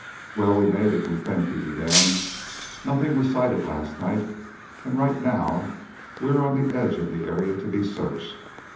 "Well, we made it, we think," he began. "Nothing was sighted last night, and right now we are on the edge of the area to be searched.